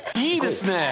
いいですね！